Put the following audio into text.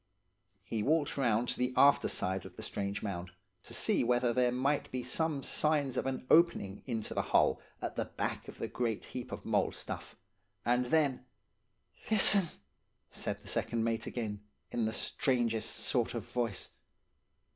"He walked round to the after side of the strange mound, to see whether there might be some signs of an opening, into the hull at the back of the great heap of mould stuff. And then: "'Listen!' said the second mate again, in the strangest sort of voice.